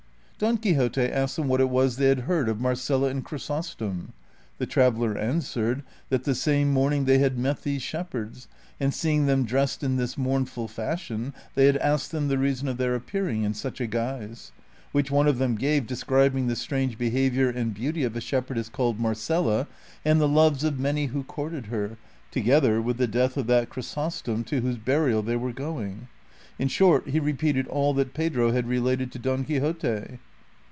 Don Quixote asked them what it was they had heard of Marcela and Chrysostoni. The traveller answered that the same morning they had met these shepherds, and seeing them dressed in this mournful fashion they had asked them the reason of their appearing in such a guise ; which one of them gave, describing the strange behavior and beauty of a shep herdess called Marcela, and the loves of many who courted her, together with the death of that Chrysostom to Avhose burial they were going. In short, he repeated all that Pedro had related to Don Quixote.